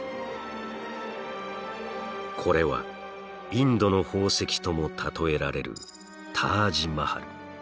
これはインドの宝石とも例えられるタージ・マハル。